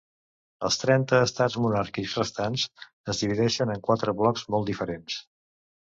Els trenta estats monàrquics restants es divideixen en quatre blocs molt diferents.